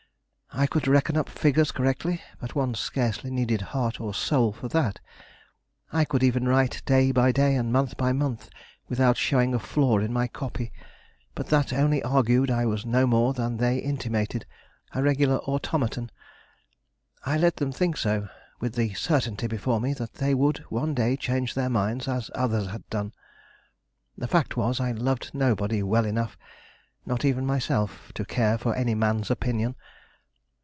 I could reckon up figures correctly, but one scarcely needed heart or soul for that. I could even write day by day and month by month without showing a flaw in my copy; but that only argued I was no more than they intimated, a regular automaton. I let them think so, with the certainty before me that they would one day change their minds as others had done. The fact was, I loved nobody well enough, not even myself, to care for any man's opinion.